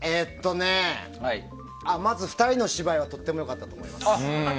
まず２人の芝居はとっても良かったと思います。